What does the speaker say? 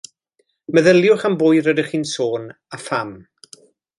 Meddyliwch am bwy rydych chi'n sôn a pham